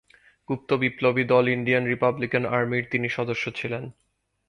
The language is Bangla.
গুপ্ত বিপ্লবী দল ইন্ডিয়ান রিপাবলিকান আর্মির তিনি সদস্য ছিলেন।